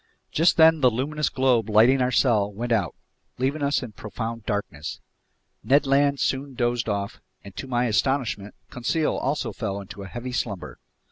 Just then the luminous globe lighting our cell went out, leaving us in profound darkness. Ned Land soon dozed off, and to my astonishment, Conseil also fell into a heavy slumber.